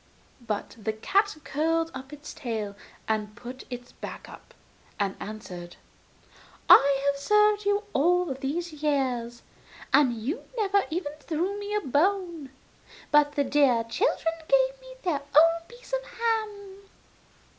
But the cat curled up its tail and put its back up, and answered: 'I have served you all these years and you never even threw me a bone, but the dear children gave me their own piece of ham.